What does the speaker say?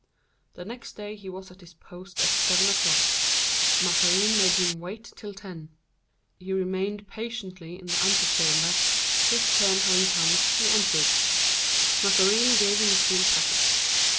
The next day he was at his post at seven o'clock. Mazarin made him wait till ten. He remained patiently in the ante chamber; his turn having come, he entered; Mazarin gave him a sealed packet.